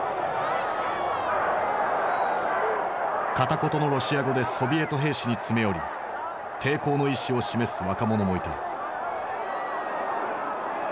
片言のロシア語でソビエト兵士に詰め寄り抵抗の意思を示す若者もいた。